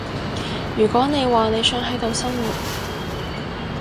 如果你話你想喺度生活